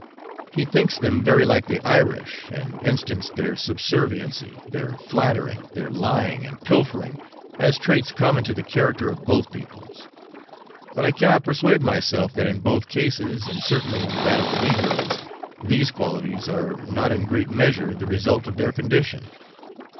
He thinks them very like the Irish, and instanced their subserviency, their flattering, their lying, and pilfering, as traits common to the character of both peoples. But I cannot persuade myself that in both cases, and certainly in that of the negroes, these qualities are not in great measure the result of their condition.